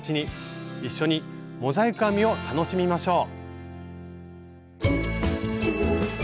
一緒にモザイク編みを楽しみましょう！